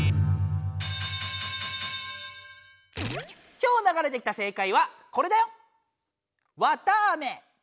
今日ながれてきた正解はこれだよ。